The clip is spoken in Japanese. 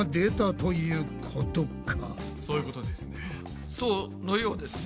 そういうことですね。